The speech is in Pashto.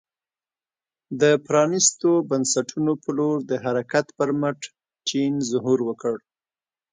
د پرانیستو بنسټونو په لور د حرکت پر مټ چین ظهور وکړ.